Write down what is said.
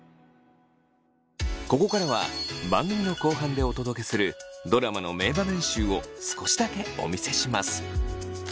ここからは番組の後半でお届けするドラマの名場面集を少しだけお見せします。